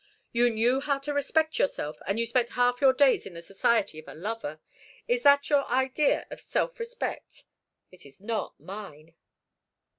"You knew how to respect yourself, and you spent half your days in the society of a lover! Is that your idea of self respect? It is not mine.